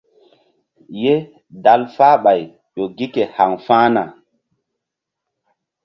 Ye dal falɓay ƴo gi ke haŋfa̧hna.